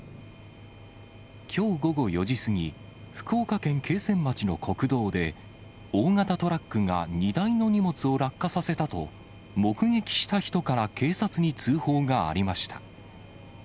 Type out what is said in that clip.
きょう午後４時過ぎ、福岡県桂川町の国道で、大型トラックが荷台の荷物を落下させたと、目撃した人から警察に通報がありました。